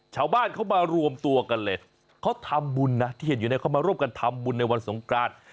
ชาวบ้านเขามารวมตัวกันเลยเขาทำบุญนะที่เห็นอยู่เนี่ยเขามาร่วมกันทำบุญในวันสงกราน